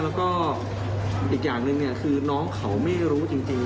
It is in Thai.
แล้วก็อีกอย่างหนึ่งคือน้องเขาไม่รู้จริง